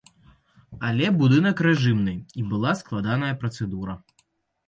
Але будынак рэжымны, і была складаная працэдура.